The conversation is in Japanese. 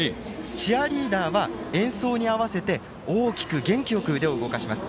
チアリーダーは演奏に合わせて大きく元気よく腕を動かします。